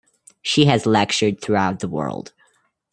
She has lectured throughout the world.